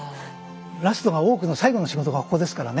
ラストが大奧の最後の仕事がここですからね。